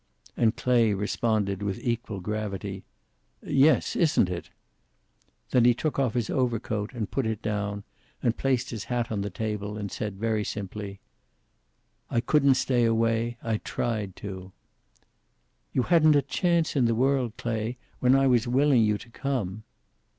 And Clay responded, with equal gravity: "Yes, isn't it!" Then he took off his overcoat and put it down, and placed his hat on the table, and said, very simply: "I couldn't stay away. I tried to." "You hadn't a chance in the world, Clay, when I was willing you to come."